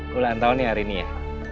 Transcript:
aku ulang tahun nih hari ini ya